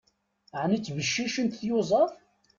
Ɛni ttbeccicent tyuzaḍ?